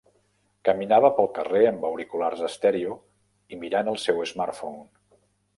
Caminava pel carrer amb auriculars estèreo i mirant el seu smartphone.